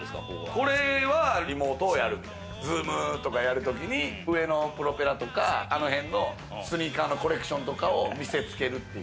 これはリモートをやる、Ｚｏｏｍとかやるときに上のプロペラとか、あの辺のスニーカーのコレクションとかを見せつけるという。